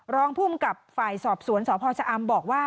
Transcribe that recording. รองภูมิกับฝ่ายสอบสวนสพชะอำบอกว่า